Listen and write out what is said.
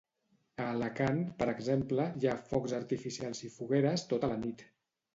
A Alacant, per exemple, hi ha focs artificials i fogueres tota la nit.